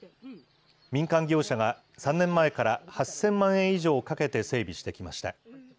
民間業者が３年前から８０００万円以上かけて整備してきました。